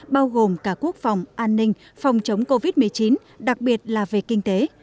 bao gồm cả quốc phòng an ninh phòng chống covid một mươi chín đặc biệt là về kinh tế